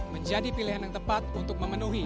menjadi pilihan yang tepat untuk memenuhi